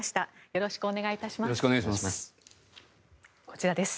よろしくお願いします。